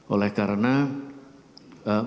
oleh karena menurutku